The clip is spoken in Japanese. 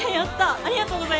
ありがとうございます。